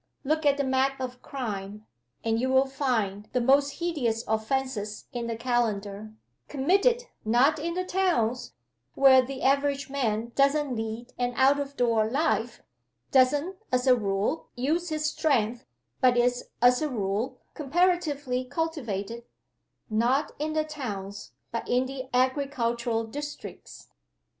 Look at the Map of Crime, and you will find the most hideous offenses in the calendar, committed not in the towns, where the average man doesn't lead an out of door life, doesn't as a rule, use his strength, but is, as a rule, comparatively cultivated not in the towns, but in the agricultural districts.